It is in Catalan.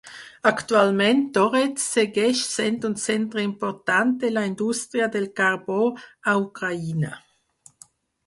Actualment, Torez segueix sent un centre important de la indústria del carbó a Ucraïna.